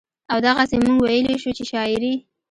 او دغسې مونږ وئيلے شو چې شاعري